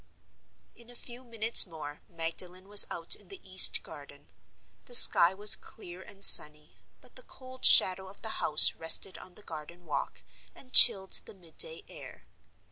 In a few minutes more Magdalen was out in the east garden. The sky was clear and sunny; but the cold shadow of the house rested on the garden walk and chilled the midday air.